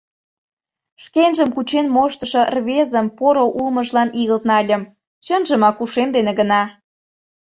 Шкенжым кучен моштышо рвезым поро улмыжлан игылт нальым, чынжымак ушем дене гына.